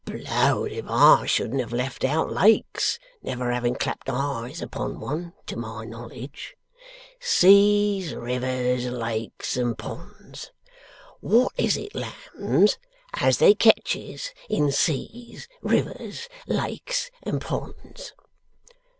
Blowed if I shouldn't have left out lakes, never having clapped eyes upon one, to my knowledge. Seas, rivers, lakes, and ponds. Wot is it, lambs, as they ketches in seas, rivers, lakes, and ponds?